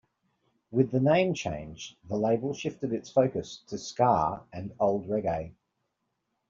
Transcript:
With the name change, the label shifted its focus to ska and old reggae.